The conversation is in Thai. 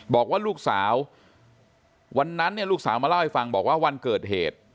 บอกว่าลูกสาววันนั้นเนี่ยลูกสาวมาเล่าให้ฟังบอกว่าวันเกิดเหตุ